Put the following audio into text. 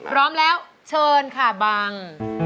พร้อมแล้วเชิญค่ะบัง